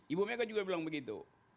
ibu mega juga bilang begitu